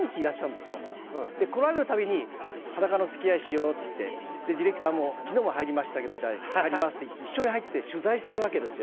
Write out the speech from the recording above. で来られる度に「裸のつきあいしよう」って言ってディレクターも「昨日も入りましたけどじゃあ入ります」って言って一緒に入って取材するわけですよ。